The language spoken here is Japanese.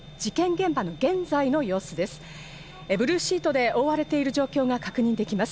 現場の現在の様子です。